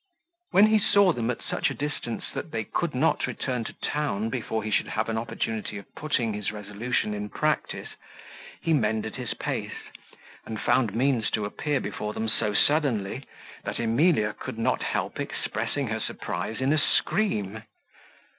When he saw them at such a distance that they could not return to town before he should have an opportunity of putting his resolution in practice, he mended his pace, and found means to appear before them so suddenly, that Emilia could not help expressing her surprise in a scream.